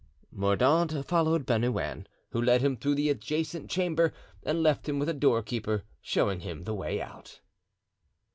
Mordaunt followed Bernouin, who led him through the adjacent chamber and left him with a doorkeeper, showing him the way out.